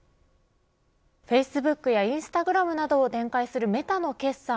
フェイスブックやインスタグラムなどを展開するメタの決算